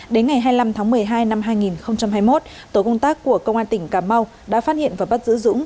đến ngày hai mươi năm tháng một mươi hai năm hai nghìn hai mươi một tổ công tác của công an tỉnh cà mau đã phát hiện và bắt giữ dũng